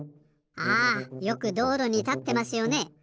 あよくどうろにたってますよね。